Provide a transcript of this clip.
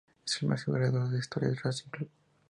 Es el máximo goleador de la historia de Racing Club.